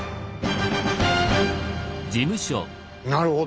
なるほど。